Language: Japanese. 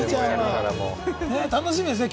楽しみですね。